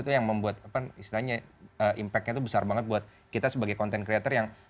itu yang membuat apa istilahnya impactnya itu besar banget buat kita sebagai content creator yang